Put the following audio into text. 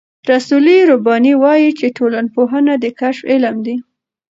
رسول رباني وايي چې ټولنپوهنه د کشف علم دی.